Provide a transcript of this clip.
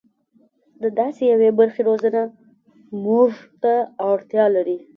د داسې یوې برخې روزنه موږ ته اړتیا لري.